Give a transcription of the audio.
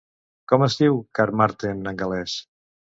Com es diu Carmarthen en gal·lès?